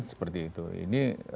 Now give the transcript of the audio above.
seperti itu ini